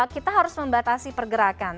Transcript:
kita harus membatasi pergerakan